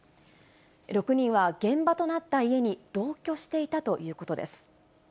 ６人は現場となった家に同居していたということです。